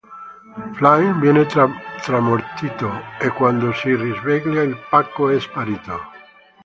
Flynn viene tramortito, e quando si risveglia il pacco è sparito.